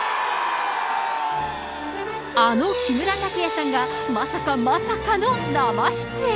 あの木村拓哉さんが、まさかまさかの生出演。